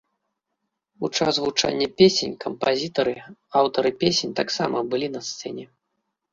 У час гучання песень, кампазітары, аўтары песень таксама былі на сцэне.